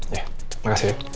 ya makasih ya